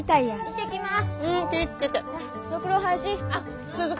行ってきます！